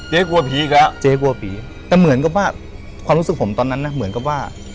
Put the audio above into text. กลัวผีอีกแล้วเจ๊กลัวผีแต่เหมือนกับว่าความรู้สึกผมตอนนั้นน่ะเหมือนกับว่า